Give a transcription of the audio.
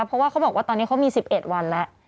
เพราะว่าเขาบอกว่าตอนนี้เขามี๑๑วันแล้ว